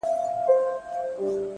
نن مي بيا يادېږي ورځ تېرېږي؛